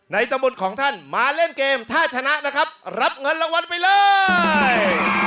ตำบลของท่านมาเล่นเกมถ้าชนะนะครับรับเงินรางวัลไปเลย